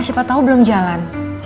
siapa tahu belum jalan